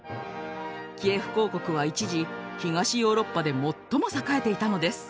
キエフ公国は一時東ヨーロッパで最も栄えていたのです。